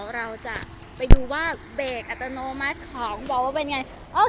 ข้างหน้าที่มีเวลาส่งจำนวดลำก็จะง่ายไป